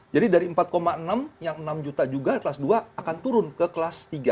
jadi dari empat enam yang enam juta juga kelas dua akan turun ke kelas tiga